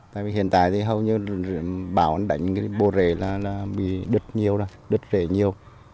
tại vì hiện tại thì hầu như bão đánh bộ rễ là bị đứt nhiều đứt rễ nhiều